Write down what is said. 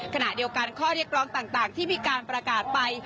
ขณะเดียวกันข้อเรียกร้องต่างที่มีการประกาศไป